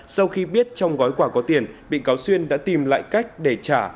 sau khi biết trong gói quà có tiền bị cáo xuyên đã tìm lại cách để trả